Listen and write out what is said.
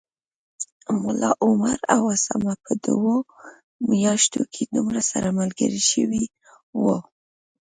ملا عمر او اسامه په دوو میاشتو کي دومره سره ملګري شوي و